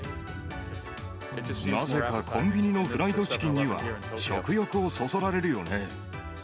なぜかコンビニのフライドチキンには食欲をそそられるよね。